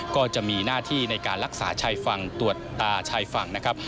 ก็จะมีหน้าที่ในการรักษาชายฝั่งตรวจตาชายฝั่งนะครับ